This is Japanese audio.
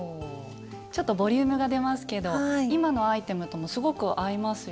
ちょっとボリュームが出ますけど今のアイテムともすごく合いますよね。